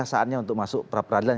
saatnya untuk masuk pra peradilan